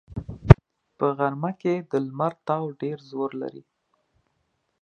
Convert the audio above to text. په غرمه کې د لمر تاو ډېر زور لري